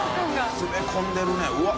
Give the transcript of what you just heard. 詰め込んでるねうわっ！